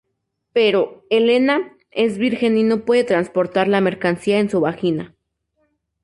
Pero "Elena" es virgen y no puede transportar la mercancía en su vagina.